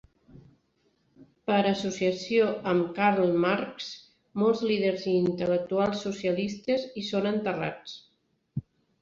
Per associació amb Karl Marx, molts líders i intel·lectuals socialistes hi són enterrats.